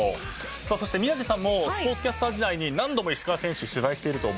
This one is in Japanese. さあそして宮司さんもスポーツキャスター時代に何度も石川選手取材していると思うんですが。